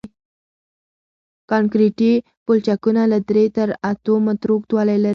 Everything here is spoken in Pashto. کانکریټي پلچکونه له درې تر اتو مترو اوږدوالی لري